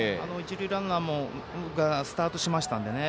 一塁ランナーがスタートしましたので。